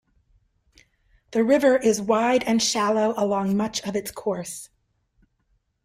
The river is wide and shallow along much of its course.